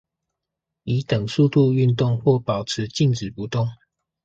以等速度運動或保持靜止不動